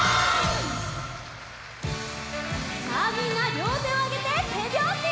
「」さあみんなりょうてをあげててびょうし！